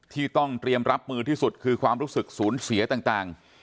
ที่ต้องเตรียมรับมือที่สุดคือความรู้สึกสูญเสียต่าง